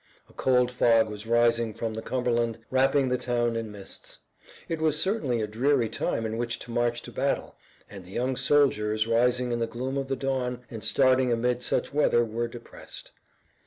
A cold fog was rising from the Cumberland, wrapping the town in mists. It was certainly a dreary time in which to march to battle, and the young soldiers rising in the gloom of the dawn and starting amid such weather were depressed.